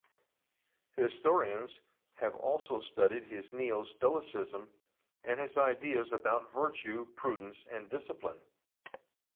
Historians have also studied his neo-Stoicism and his ideas about virtue, prudence, and discipline.